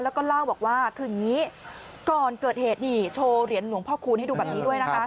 แล้วก็เล่าบอกว่าก่อนเกิดเหตุนี้โชว์เหรียญหลวงพ่อคูณให้ดูแบบนี้ด้วย